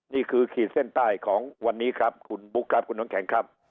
ขีดเส้นใต้ของวันนี้ครับคุณบุ๊คครับคุณน้ำแข็งครับ